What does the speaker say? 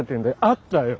あったよ。